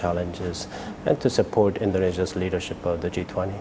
dan untuk mendukung pemerintahan indonesia di g dua puluh